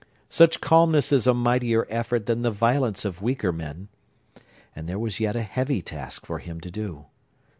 Such calmness is a mightier effort than the violence of weaker men. And there was yet a heavy task for him to do.